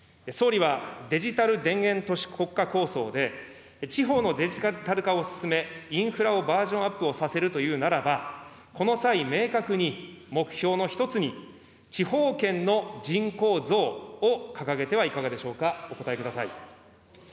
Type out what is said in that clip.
総理はデジタル田園都市国家構想で、地方のデジタル化を進め、インフラをバージョンアップをさせるというならば、この際明確に、目標の一つに、地方圏の人口増を掲げてはいかがでしょうか、お答えください。